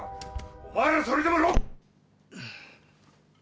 「お前らそれでもロ」